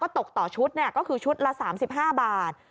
ตกต่อชุดก็คือชุดละ๓๕บาท